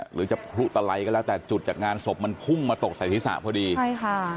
หรือจะพลุตะไรก็แล้วแต่จุดจากงานศพมันพุ่งมาตกใส่ศีรษะพอดีใช่ค่ะ